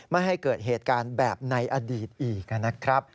ไม่ให้เกิดเหตุการณ์แบบในอดีตอีกนะครับ